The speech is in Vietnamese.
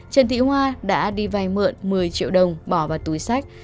trần thị hoa đã đi vay mượn một mươi triệu đồng bỏ vào túi sách